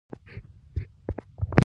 بادرنګ د پوستکي سوخت اراموي.